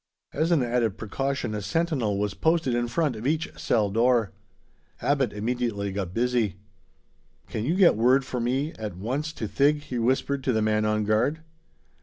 As an added precaution, a sentinel was posted in front of each cell door. Abbot immediately got busy. "Can you get word for me at once to Thig?" he whispered to the man on guard.